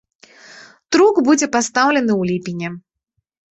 Трук будзе пастаўлены ў ліпені.